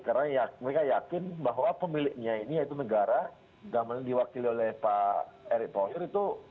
karena mereka yakin bahwa pemiliknya ini yaitu negara namanya diwakili oleh pak erick thohir itu